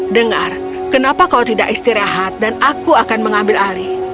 dengar kenapa kau tidak istirahat dan aku akan mengambil alih